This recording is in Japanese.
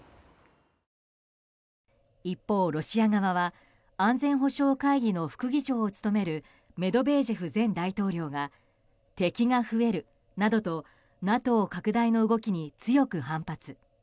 一方、ロシア側は安全保障会議の副議長を務めるメドベージェフ前大統領が敵が増えるなどとＮＡＴＯ拡大の動きに強く反発。